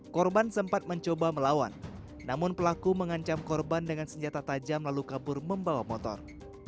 korban sempat mencoba melawan namun pelaku mengancam korban dengan senjata tajam lalu kabur membawa motor